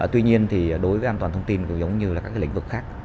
tuy nhiên đối với an toàn thông tin cũng giống như các lĩnh vực khác